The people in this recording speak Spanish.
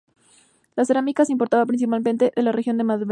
La cerámica se importaba principalmente de la región de Malvern.